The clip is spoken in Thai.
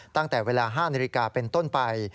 ตั้งแต่เวลา๕น๑๙๑๙มนาทีเป็นตอนไป